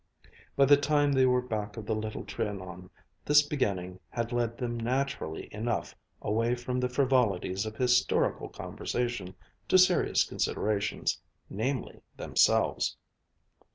By the time they were back of the Little Trianon, this beginning had led them naturally enough away from the frivolities of historical conversation to serious considerations, namely themselves.